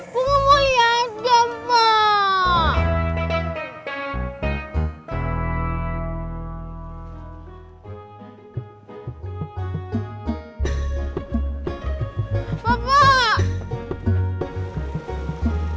gue mau liat dong pok